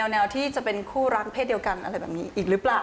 แนวที่จะเป็นคู่รักเศษเดียวกันอะไรแบบนี้อีกหรือเปล่า